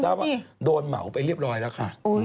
ว่าโดนเหมาไปเรียบร้อยแล้วค่ะ